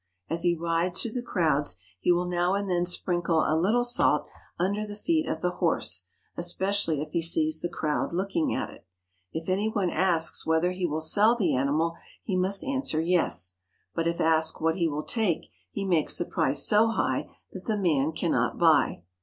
As he rides through the crowds he will now and then sprinkle a little salt under the feet of the horse, especially if he sees the crowd looking at it. If any one asks whether he will sell the animal he must answer yes, but if asked what he will take he makes the price so high that the man cannot buy.